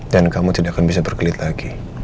dan kamu tidak akan bisa berkelit lagi